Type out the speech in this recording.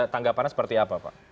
tanggapannya seperti apa pak